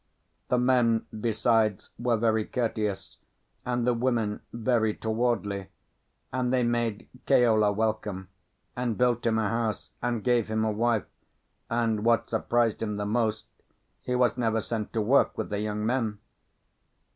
The men besides were very courteous, and the women very towardly; and they made Keola welcome, and built him a house, and gave him a wife; and what surprised him the most, he was never sent to work with the young men.